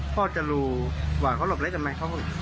พ่อจะลูก่อนเขาหลบแล้วกันมั้ย